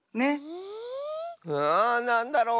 うんなんだろう？